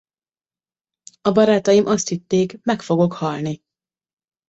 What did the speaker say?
A barátaim azt hitték meg fogok halni.